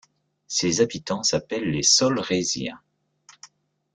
Ses habitants s'appellent les Solréziens.